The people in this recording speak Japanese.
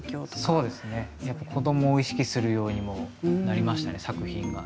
そうですね、子どもを意識するようにもなりましたね作品が。